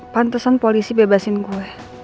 pantesan polisi bebasin gue